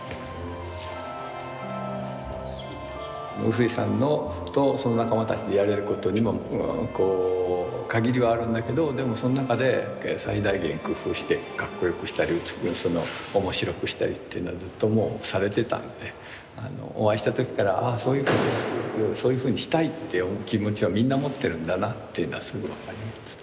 臼井さんとその仲間たちでやれることにも限りはあるんだけどでもその中で最大限工夫してかっこよくしたり面白くしたりっていうのはずっともうされてたのでお会いした時からそういうふうにしたいっていう気持ちはみんな持ってるんだなっていうのはすぐ分かります。